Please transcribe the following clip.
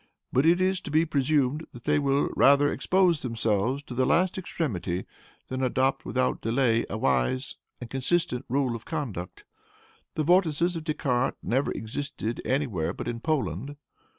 But it is to be presumed that they will rather expose themselves to the last extremity than adopt, without delay, a wise and consistent rule of conduct. The vortices of Descartes never existed anywhere but in Poland.